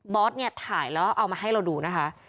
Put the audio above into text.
บอสถ่ายแล้วเอามาให้เราดูนะคะ